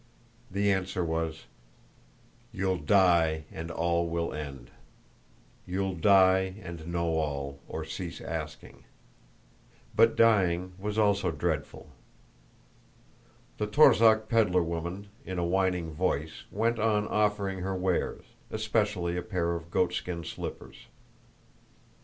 The answer was: "You'll die and all will end. You'll die and know all, or cease asking." But dying was also dreadful. The Torzhók peddler woman, in a whining voice, went on offering her wares, especially a pair of goatskin slippers.